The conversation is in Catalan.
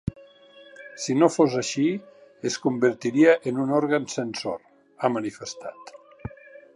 Si no fos així, es convertiria en un òrgan censor, ha manifestat.